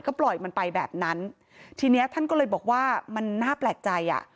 ก็ปล่อยมันไปแบบนั้นทีเนี้ยท่านก็เลยบอกว่ามันน่าแปลกใจอ่ะ